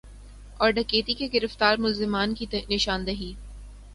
اور ڈکیتی کے گرفتار ملزمان کی نشاندہی